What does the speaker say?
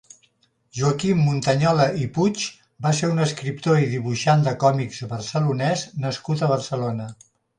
Joaquim Muntañola i Puig va ser un escriptor i dibuixant de còmics barcelonès nascut a Barcelona.